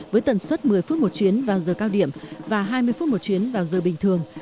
với tần suất một mươi phút một chuyến vào giờ cao điểm và hai mươi phút một chuyến vào giờ bình thường